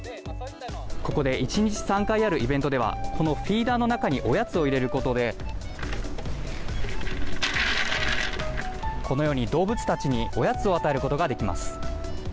ここで１日３回あるイベントでは、このフィーダーの中におやつを入れることで、このように、動物たちにおやつを与えることができます。